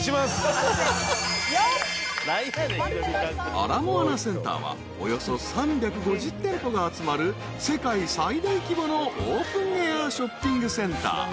［アラモアナセンターはおよそ３５０店舗が集まる世界最大規模のオープンエアショッピングセンター］